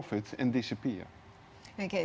tentang dari mana bahan bahan itu datang